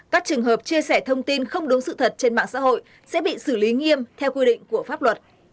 các trường hợp chia sẻ thông tin không đúng sự thật trên mạng xã hội sẽ bị xử lý nghiêm theo quy định của pháp luật